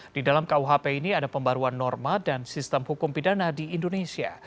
di dalam kuhp ini ada pembaruan norma dan sistem hukum pidana di indonesia